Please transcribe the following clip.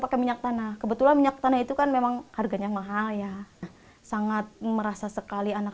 pakai minyak tanah kebetulan minyak tanah itu kan memang harganya mahal ya sangat merasa sekali anak